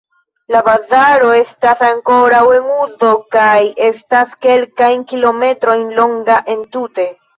La bazaro estas ankoraŭ en uzo kaj estas kelkajn kilometrojn longa entute.